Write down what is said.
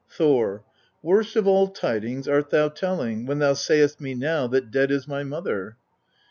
Thor. 5. Worst of all tidings art thou telling, when thou sayest me now that dead is my mother.